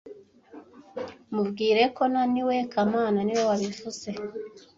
Mubwire ko naniwe kamana niwe wabivuze